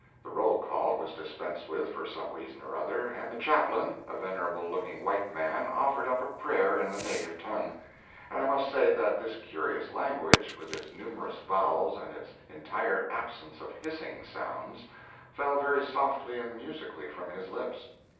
The roll call was dispensed with for some reason or other, and the Chaplain, a venerable looking white man, offered up a prayer in the native tongue; and I must say that this curious language, with its numerous vowels and its entire absence of hissing sounds, fell very softly and musically from his lips.